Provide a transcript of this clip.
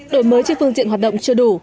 đổi mới trên phương diện hoạt động chưa đủ